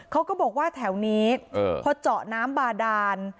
เขาก็บอกว่าแถวนี้พอเจาะน้ำบาดาน